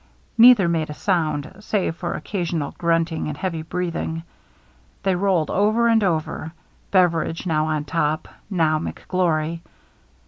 Neither made a sound, save for occasional grunting and heavy breathing. They rolled over and over, Beveridge now on top, now McGlory.